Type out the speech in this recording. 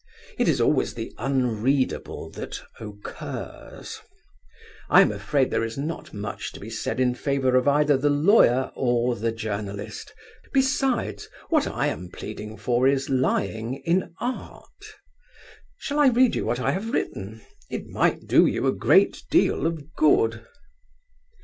It is always the unreadable that occurs. I am afraid that there is not much to be said in favour of either the lawyer or the journalist. Besides, what I am pleading for is Lying in art. Shall I read you what I have written? It might do you a great deal of good.